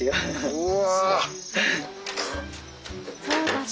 うわ。